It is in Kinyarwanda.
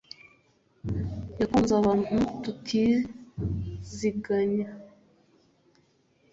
yakunz'abant'utiziganya